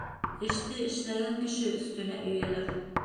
Эште эшләгән кеше өҫтөнә өйәләр.